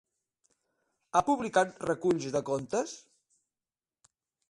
Ha publicat reculls de contes?